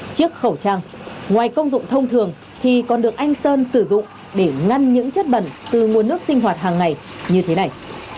chiếc khẩu trang ngoài công dụng thông thường thì còn được anh sơn sử dụng để ngăn những chất bẩn từ nguồn nước sinh hoạt hàng ngày như thế này